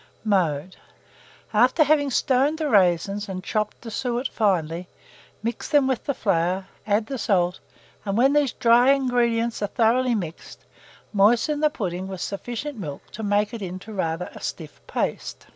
Mode. After having stoned the raisins and chopped the suet finely, mix them with the flour, add the salt, and when these dry ingredients are thoroughly mixed, moisten the pudding with sufficient milk to make it into rather a stiff paste.